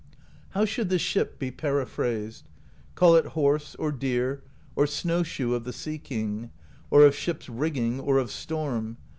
"How should the ship be periphrased? Call it Horse or Deer or Snowshoe of the Sea King, or of Ship's Rigging, or of Storm.